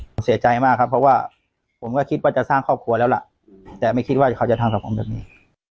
ผมก็คิดว่าจะสร้างครอบครัวแล้วละแต่ไม่คิดว่าเขาจะทางกันผมตรงนี้